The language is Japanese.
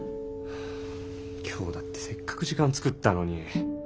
今日だってせっかく時間作ったのに。